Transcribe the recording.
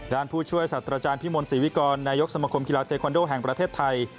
ผู้ช่วยสัตว์อาจารย์พิมลศรีวิกรนายกสมคมกีฬาเทคอนโดแห่งประเทศไทย